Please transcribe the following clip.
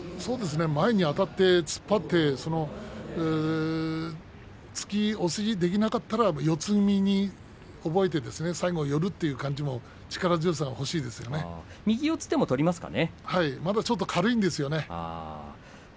前にあたって突っ張って突き押しができなかったら四つ身を覚えて最後呼ぶという感じも右四つも取りますかね。